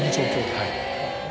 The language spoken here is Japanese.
はい。